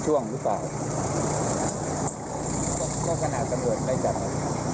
เขาคือสันนิจฐานก็ต้องยาแหละ